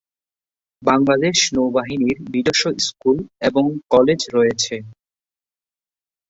বাংলাদেশ নৌবাহিনীর নিজস্ব স্কুল এবং কলেজ রয়েছে।